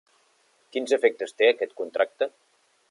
Quins efectes té aquest contracte?